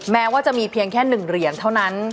แม้ว่าจะมีเพียงแค่๑เหรียญเท่านั้น